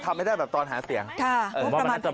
ทำให้ได้แบบตอนหาเสียงค่ะประมาณแปดนิดนึง